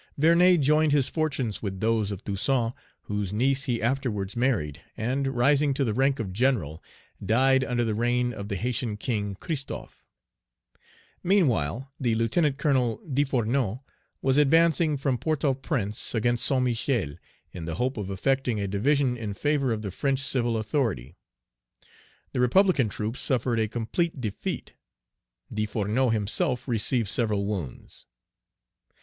Vernet joined his fortunes with those of Toussaint, whose niece he afterwards married, and, rising to the rank of general, died under the reign of the Haytian king Christophe. Meanwhile the Lieutenant Colonel, Desfournaux, was advancing from Port au Prince against Saint Michel, in the hope of effecting a division in favor of the French civil authority. The republican troops suffered a complete defeat. Desfournaux himself received several wounds.